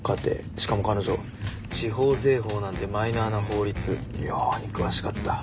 しかも彼女地方税法なんてマイナーな法律妙に詳しかった。